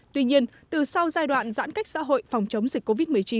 tuy nhiên từ sau giai đoạn giãn cách xã hội phòng chống dịch covid một mươi chín